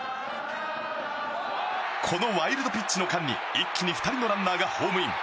このワイルドピッチの間に一気に２人のランナーがホームイン。